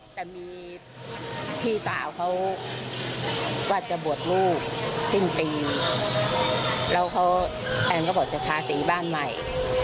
แต่มีพี่สาวเขาว่าจะบวชลูกสิ้นปีแล้วเขาแอนก็บอกจะทาสีบ้านใหม่